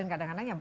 di garis lain juga